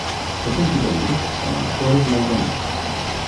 He sentit a dir que Manacor és molt bonic.